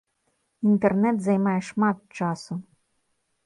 Інтэрнэт займае шмат часу.